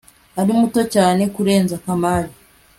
ari muto cyane kurenza kamari